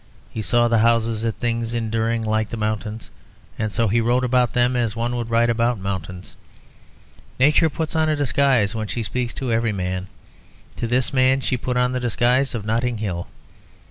He saw the houses as things enduring, like the mountains, and so he wrote about them as one would write about mountains. Nature puts on a disguise when she speaks to every man; to this man she put on the disguise of Notting Hill.